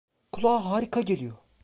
Kulağa harika geliyor.